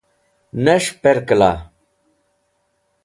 Nes̃h perkẽla?